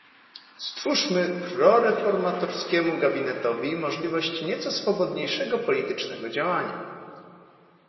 Stwórzmy proreformatorskiemu gabinetowi możliwość nieco swobodniejszego politycznego działania